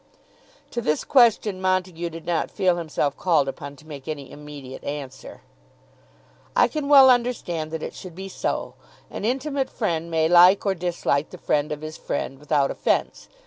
To this question Montague did not feel himself called upon to make any immediate answer. "I can well understand that it should be so. An intimate friend may like or dislike the friend of his friend, without offence.